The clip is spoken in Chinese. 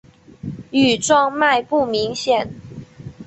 羽状脉不明显。